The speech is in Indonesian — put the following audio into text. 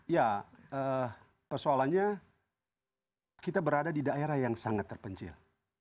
ya persoalannya kita berada di daerah yang sangat terpencil